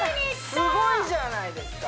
すごいじゃないですか！